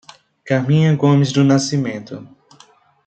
Carminha Gomes do Nascimento